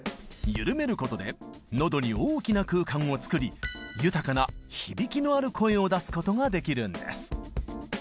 ゆるめることで喉に大きな空間を作り豊かな響きのある声を出すことができるんです。